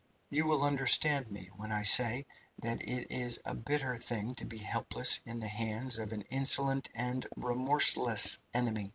"You will understand me when I say that it is a bitter thing to be helpless in the hands of an insolent and remorseless enemy.